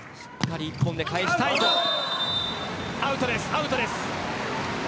アウトです。